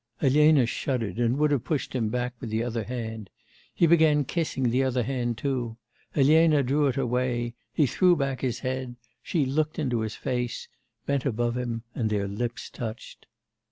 Elena shuddered, and would have pushed him back with the other hand; he began kissing the other hand too. Elena drew it away, he threw back his head, she looked into his face, bent above him, and their lips touched.